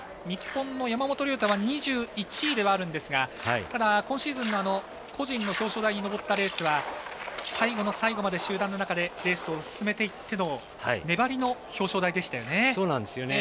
日本の山本涼太は２１位ではあるんですがただ、今シーズンの個人の表彰台に上ったレースは最後の最後まで集団の中でレースを進めていっての粘りの表彰台でしたね。